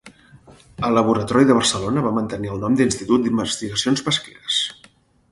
El laboratori de Barcelona va mantenir el nom d'Institut d'Investigacions Pesqueres.